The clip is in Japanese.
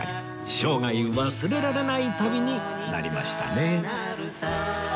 生涯忘れられない旅になりましたね